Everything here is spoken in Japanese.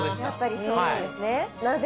やっぱりそうなんですね。